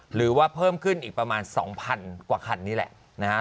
หรือว่าเพิ่มขึ้นอีกประมาณ๒๐๐๐กว่าคันนี่แหละนะฮะ